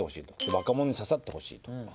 若者に刺さってほしいと。